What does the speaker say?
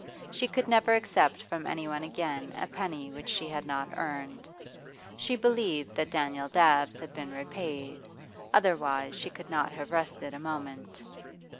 She could never accept from anyone again a penny which she had not earned. She believed that Daniel Dabbs had been repaid, otherwise she could not have rested a moment.